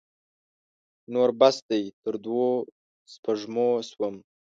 نور بس دی؛ تر دوو سپږمو سوم.